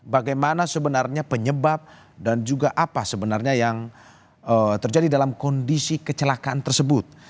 bagaimana sebenarnya penyebab dan juga apa sebenarnya yang terjadi dalam kondisi kecelakaan tersebut